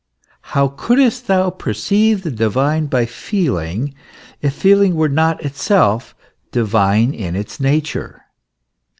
How couldst thou perceive the divine by feeling, if feeling were not itself divine in its nature